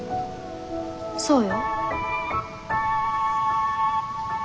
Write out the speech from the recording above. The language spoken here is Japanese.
そうよ。